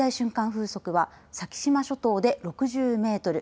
風速は先島諸島で６０メートル